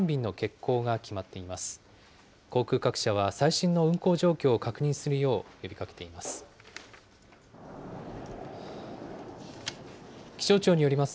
航空各社は、最新の運航状況を確認するよう呼びかけています。